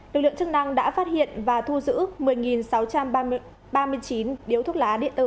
lực lượng chức năng đã phát hiện và thu giữ một mươi sáu trăm ba mươi chín điếu thuốc lá điện tử